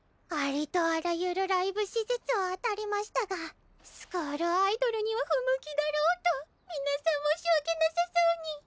ありとあらゆるライブ施設をあたりましたがスクールアイドルには不向きだろうと皆さん申し訳なさそうに。